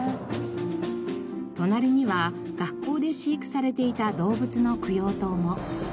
隣には学校で飼育されていた動物の供養塔も。